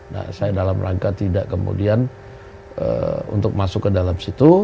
nah saya dalam rangka tidak kemudian untuk masuk ke dalam situ